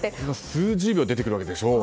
数十秒で出てくるわけでしょう。